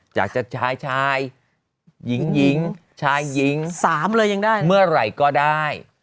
อยากจะชัยชายยิงยิงชายยิงเม่อร่ายก็ได้